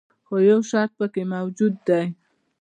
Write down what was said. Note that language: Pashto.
خو یو شرط پکې موجود دی.